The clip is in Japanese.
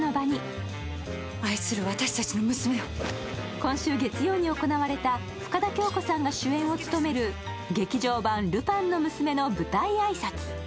今週月曜に行われた深田恭子さんが主演を務める劇場版「ルパンの娘」の舞台挨拶。